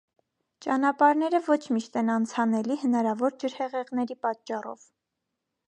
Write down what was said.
Ճանապարհները ոչ միշտ են անցանելի հնարավոր ջրհեղեղների պատճառով։